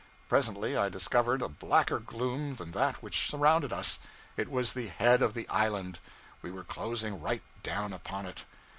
Presently I discovered a blacker gloom than that which surrounded us. It was the head of the island. We were closing right down upon it.